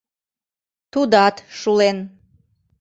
Тудат шулен.